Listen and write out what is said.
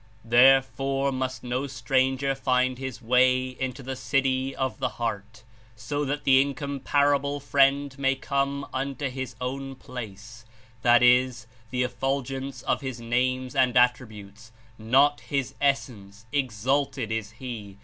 Therefore, must no stranger find his way into the city of the heart, so that the Incomparable Friend may come unto tlis own place; that is, the effulgence of His Names and Attributes, not His Essence — ex alted is He